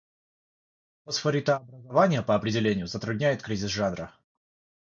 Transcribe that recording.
Фосфоритообразование, по определению, затрудняет кризис жанра.